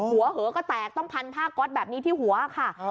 หัวเหอก็แตกต้องพันผ้าก๊อตแบบนี้ที่หัวค่ะ